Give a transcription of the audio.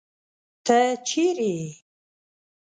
تۀ چېرې ئې ؟